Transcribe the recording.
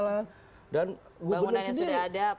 bangunan yang sudah ada apa segala macam